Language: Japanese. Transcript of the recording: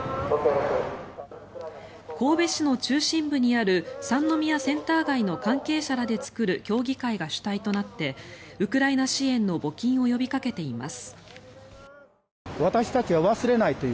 神戸市の中心部にある三宮センター街の関係者らで作る協議会が主体となってウクライナ支援の募金を呼びかけています。